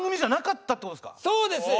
そうです！